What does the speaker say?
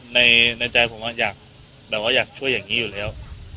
ในใจผมก็อยากช่วยอย่างนี้อยู่แล้ว